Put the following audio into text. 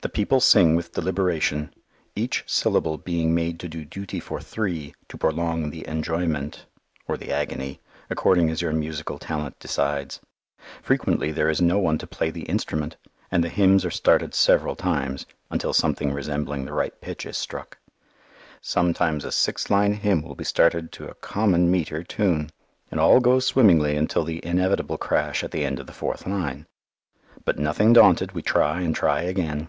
The people sing with deliberation, each syllable being made to do duty for three, to prolong the enjoyment or the agony according as your musical talent decides. Frequently there is no one to play the instrument, and the hymns are started several times, until something resembling the right pitch is struck. Sometimes a six line hymn will be started to a common metre tune, and all goes swimmingly until the inevitable crash at the end of the fourth line. But nothing daunted, we try and try again.